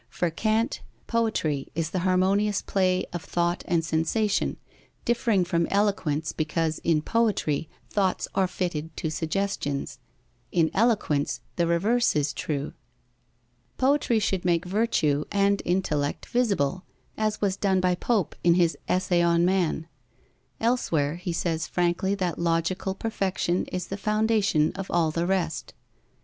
For Kant, poetry is the harmonious play of thought and sensation, differing from eloquence, because in poetry thoughts are fitted to suggestions, in eloquence the reverse is true. Poetry should make virtue and intellect visible, as was done by Pope in his Essay on Man. Elsewhere, he says frankly that logical perfection is the foundation of all the rest.